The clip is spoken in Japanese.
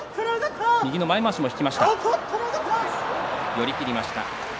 寄り切りました。